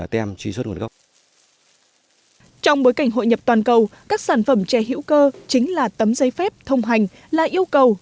trong bối cảnh hội nhập toàn cầu các sản phẩm chè hữu cơ chính là tấm giấy phép thông hành là yêu cầu